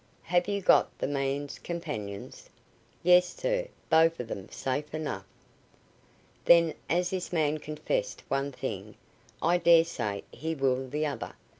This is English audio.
"Have you got the man's companions?" "Yes, sir, both of them, safe enough." "Then as this man confessed one thing, I dare say he will the other.